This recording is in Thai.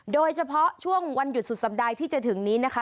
โดยเฉพาะช่วงวันหยุดสุดสัปดาห์ที่จะถึงนี้นะคะ